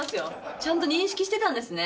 ちゃんと認識してたんですね。